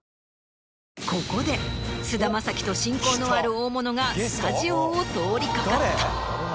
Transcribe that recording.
ここで菅田将暉と親交のある大物がスタジオを通り掛かった。